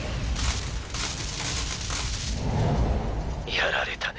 やられたね。